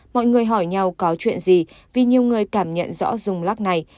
mọi người hỏi nhau có chuyện gì vì nhiều người cảm nhận rõ rung lắc này